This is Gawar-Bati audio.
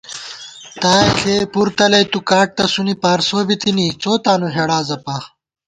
تائےݪِیَئ پُر تلَئیتُو کاٹ تونی پارسو بِتِنی ، څو تانُو ہېڑا زپا